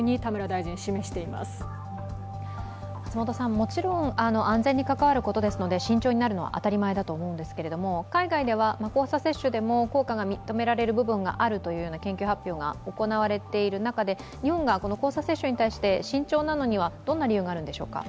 もちろん安全に関わることですので慎重になるのは当たり前だと思うんですけど海外では交差接種でも効果が認められる部分があるという研究発表が行われている中で、日本が交差接種に対して慎重なのにはどんな理由があるんでしょうか。